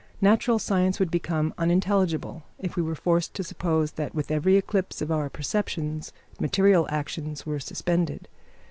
Natural science would become unintelligible if we were forced to suppose that with every eclipse of our perceptions material actions were suspended.